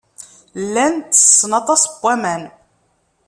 Llan ttessen aṭas n waman.